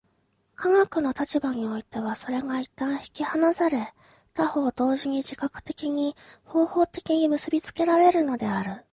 科学の立場においてはそれが一旦引き離され、他方同時に自覚的に、方法的に結び付けられるのである。